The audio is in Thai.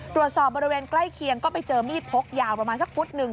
บริเวณใกล้เคียงก็ไปเจอมีดพกยาวประมาณสักฟุตหนึ่ง